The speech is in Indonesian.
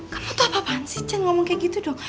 kamu tuh apa apaan sih jangan ngomong kayak gitu dong